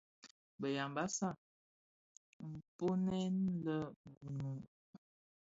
Bë Yambassa nkpoňèn le (Gunu),